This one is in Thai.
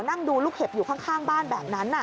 นั่งดูลูกเห็บอยู่ข้างบ้านแบบนั้น